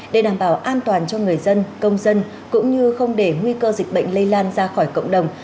để đảm bảo an toàn cho người dân công dân cũng như không để nguy cơ dịch bệnh lây lan ra khỏi cộng đồng